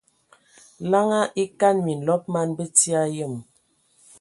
Laŋa e kan minlɔb man bəti a yəm.